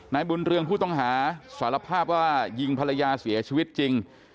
นายบุญเรืองผู้ต้องหาสารภาพว่ายิงภรรยาเสียชีวิตจริง